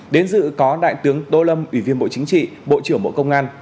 đến dự có đại tướng tô lâm ủy viên bộ chính trị bộ trưởng bộ công an